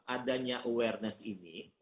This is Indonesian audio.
adanya awareness ini